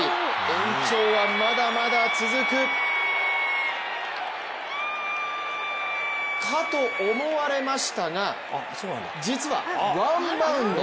延長は、まだまだ続く。かと思われましたが実はワンバウンド。